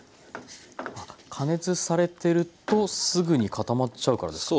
加熱されてるとすぐに固まっちゃうからですか？